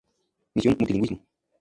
Misión Multilingüismo.